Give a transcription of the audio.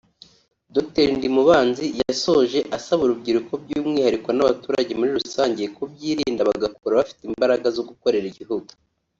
Dr Ndimubanzi yasoje asaba urubyiruko by’umwihariko n’abaturage muri rusange kubyirinda bagakura bafite imbaraga zo gukorera igihugu